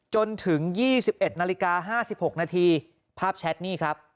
จนถึง๒๑นาฬิกา๕๖นาทีภาพแชทนี่ครับ